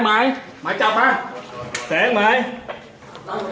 ตำรวจแห่งมือ